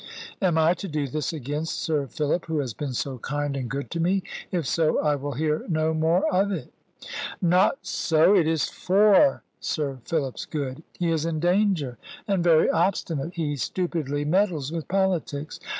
"Am I to do this against Sir Philip, who has been so kind and good to me? If so, I will hear no more of it." "Not so; it is for Sir Philip's good. He is in danger, and very obstinate. He stupidly meddles with politics.